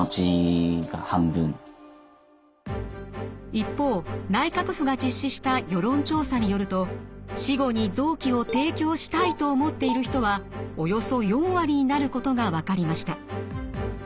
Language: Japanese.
一方内閣府が実施した世論調査によると死後に臓器を提供したいと思っている人はおよそ４割になることが分かりました。